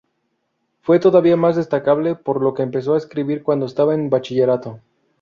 Fue todavía más destacable porque lo empezó a escribir cuando estaba en bachillerato.